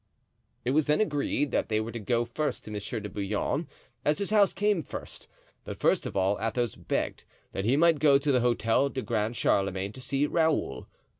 It was then agreed that they were to go first to Monsieur de Bouillon, as his house came first; but first of all Athos begged that he might go to the Hotel du Grand Charlemagne, to see Raoul.